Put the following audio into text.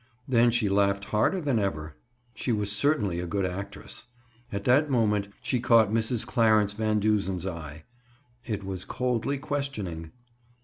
Then she laughed harder than ever. She was certainly a good actress. At that moment she caught Mrs. Clarence Van Duzen's eye; it was coldly questioning.